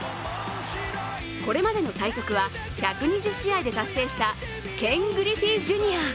これまでの最速は１２０試合で達成したケン・グリフィー・ジュニア。